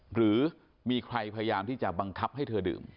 หรือมีใครพยายามที่จะบังคับให้เธอดื่ม